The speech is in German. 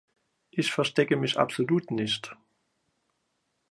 Ich verstecke mich absolut nicht.